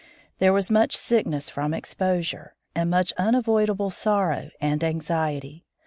There was much sickness from exposure, and much unavoidable sorrow and anxiety.